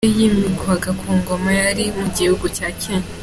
Igihe yimikwaga ku ngoma, yari mu gihugu cya Kenya.